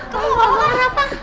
kamu gak apa apa